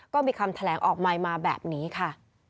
ก็มีคำแถลงออกใหม่มาแบบนี้ค่ะ